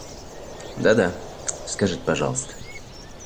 Да-да, скажите пожалуйста.